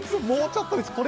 もうちょっとです。